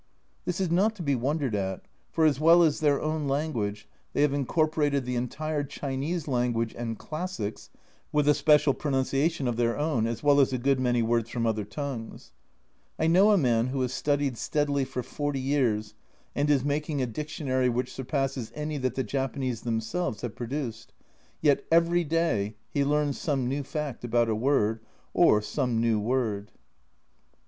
This is not to be wondered at, for, as well as their own language, they have incorporated the entire Chinese language and classics (with a special pronunciation of their own), as well as a good many words from other tongues. I know a man who has studied steadily for forty years and is making a dictionary which surpasses any that the Japanese themselves have produced, and yet every day he learns some new fact about a word, or some new word.